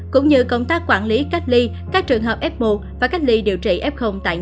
cũng như công tác quản lý cách ly các trường hợp f một và cách ly điều trị f tại